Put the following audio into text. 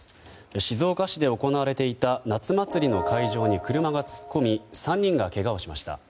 静岡市で行われていた夏祭りの会場に車が突っ込み３人がけがをしました。